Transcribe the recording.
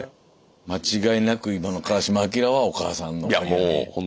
間違いなく今の川島明はお母さんのおかげやね。